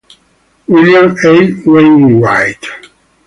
William A. Wainwright.